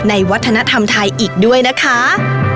ในวัฒนธรรมไทยอีกด้วยนะคะ